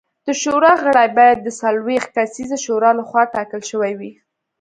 د شورا غړي باید د څلوېښت کسیزې شورا لخوا ټاکل شوي وای